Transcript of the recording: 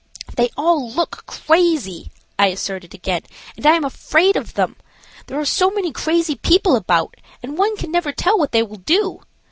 "They all look crazy," I asserted again, "and I am afraid of them. There are so many crazy people about, and one can never tell what they will do.